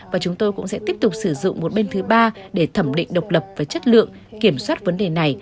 và chúng tôi cũng sẽ tiếp tục sử dụng một bên thứ ba để thẩm định độc lập và chất lượng kiểm soát vấn đề này